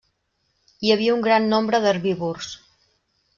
Hi havia un gran nombre d'herbívors.